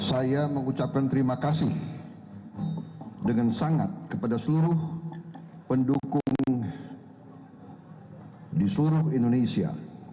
dan saya mengucapkan terima kasih dengan sangat kepada seluruh pendukung di seluruh indonesia